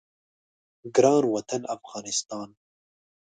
ګران وطن افغانستان